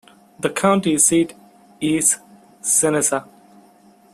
The county seat is Seneca.